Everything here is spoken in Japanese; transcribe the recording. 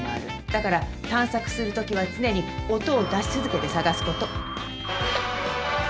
だから探索するときは常に音を出し続けて捜すこと。